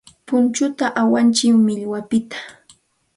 Punchuta awantsik millwapiqta.